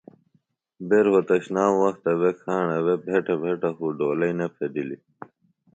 بےۡ رہوتشنام وختہ بےۡ کھاݨہ بےۡ بھیٹہ بھیٹہ خوۡ ڈولئی نہ پھیدیلیۡ